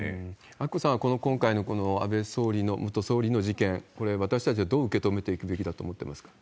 明子さんは、今回のこの安倍総理の、元総理の事件、これ、私たちはどう受け止めていくべきだと思ってますか？